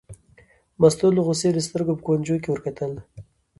مستو له غوسې د سترګو په کونجو کې ور وکتل.